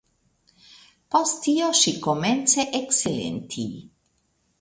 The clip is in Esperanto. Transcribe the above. Post tio ŝi komence eksilenti.